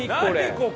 ここ！